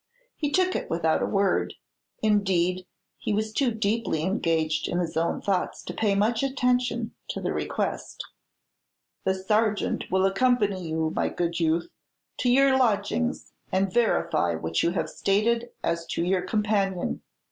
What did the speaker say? He took it without a word; indeed, he was too deeply engaged in his own thoughts to pay much attention to the request. "The sergeant will accompany you, my good youth, to your lodgings, and verify what you have stated as to your companion.